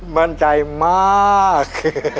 มั่นใจมาก